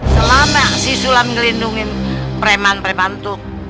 selama si sulam ngelindungin preman preman tuh